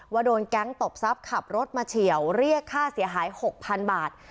ว่าโดนแก๊งตบทรัพย์ขับรถมาเฉียวเรียกค่าเสียหาย๖๐๐๐บาท